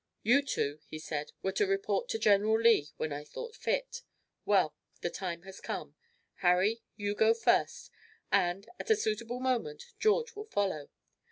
"You two," he said, "were to report to General Lee when I thought fit. Well, the time has come; Harry, you go first, and, at a suitable moment, George will follow.